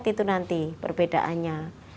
lihat itu nanti perbedaannya